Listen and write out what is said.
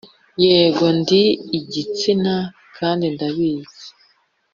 yego, ndi igitsina kandi ndabizi.